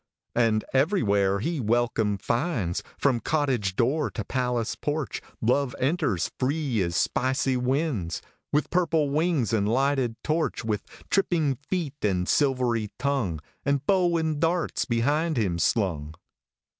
And everywhere he welcome finds, From cottage door to palace porch Love enters free as spicy winds, With purple wings and lighted torch, With tripping feet and silvery tongue, And bow and darts behind him slung.